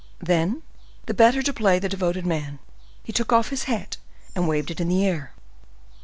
Then, the better to play the devoted man, he took off his hat and waved it in the air.